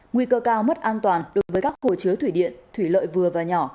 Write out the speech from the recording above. nguy cơ cao mất an toàn đối với các hồ chứa thủy điện thủy lợi vừa và nhỏ